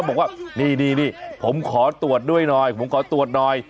บอกว่านี่ผมขอตรวจด้วยหน่อยผมขอตรวจหน่อย